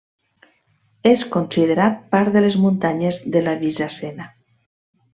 És considerat part de les muntanyes de la Bizacena.